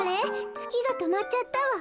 つきがとまっちゃったわ。